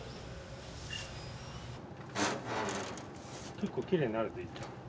結構きれいになるねいっちゃん。